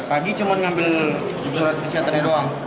pagi cuma ngambil surat psikiaternya doang